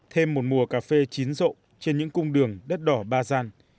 thêm một mùa cà phê chín rộ trên những cung đường đất đỏ ba gian